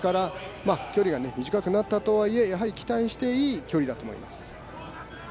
距離が短くなったとはいえやはり期待していい距離だと思います。